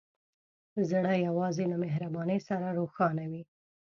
زړه یوازې له مهربانۍ سره روښانه وي.